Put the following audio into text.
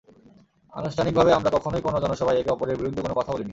আনুষ্ঠানিকভাবে আমরা কখনোই কোনো জনসভায় একে অপরের বিরুদ্ধে কোনো কথা বলিনি।